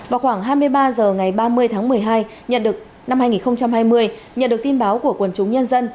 vào khoảng hai mươi ba h ngày ba mươi tháng một mươi hai nhận được năm hai nghìn hai mươi nhận được tin báo của quần chúng nhân dân